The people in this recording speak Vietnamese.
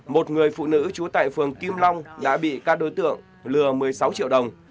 một người phụ nữ trú tại phường kim long đã bị các đối tượng lừa một mươi sáu triệu đồng